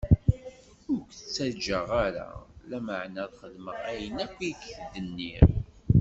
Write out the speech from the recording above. Ur k-ttaǧǧaɣ ara, lameɛna ad xedmeɣ ayen akk i k-d-nniɣ.